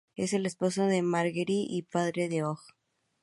Es el esposo de Margery y padre de Og.